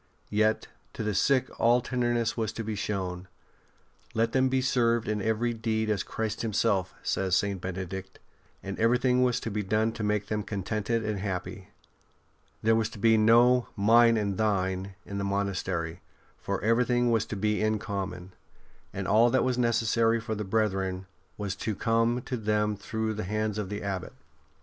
Yet to the sick all tenderness was to be shown. *' Let them be served in very deed as Christ Himself," says St. Bene dict ; and everything was to be done to make them contented and happy. There was to be no '' mine and thine " in the monastery, for everything was to be in common, and all that was necessary for the brethren was to come to them through the hands of the Abbot.